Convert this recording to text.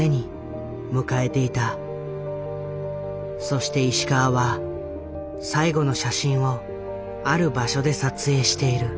そして石川は最後の写真をある場所で撮影している。